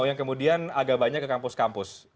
yang kemudian agak banyak ke kampus kampus